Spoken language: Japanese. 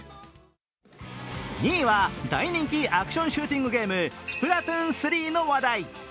２位は大人気アクションシューティングゲーム、スプラトゥーン３の話題。